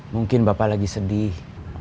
mungkin bapak lagi sedih